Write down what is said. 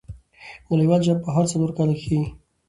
نړۍوال جام په هرو څلور کاله کښي کیږي.